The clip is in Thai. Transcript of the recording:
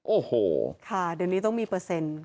โอ้โหค่ะเดี๋ยวนี้ต้องมีเปอร์เซ็นต์